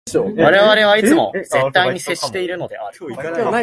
我々はいつも絶対に接しているのである。